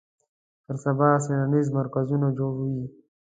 پر سبا څېړنیز مرکزونه جوړ وي